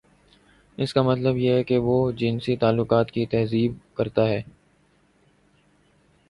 اس کا مطلب یہ ہے کہ وہ جنسی تعلقات کی تہذیب کرتا ہے۔